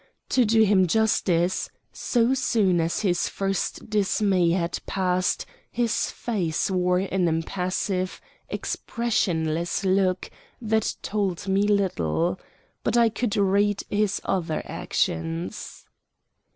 To do him justice, so soon as his first dismay had passed his face wore an impassive, expressionless look that told me little. But I could read his other actions.